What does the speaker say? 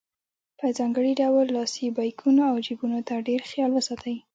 په ځانګړي ډول لاسي بیکونو او جیبونو ته ډېر خیال وساتئ.